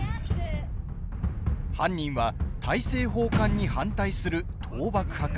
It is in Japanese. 犯人は大政奉還に反対する倒幕派か。